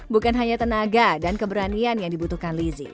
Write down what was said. bukan hanya tenaga dan keberanian yang dibutuhkan lizzie